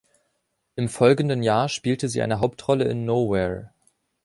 Im folgenden Jahr spielte sie eine Hauptrolle in „Nowhere“.